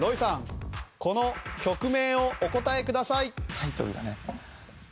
タイトルがね。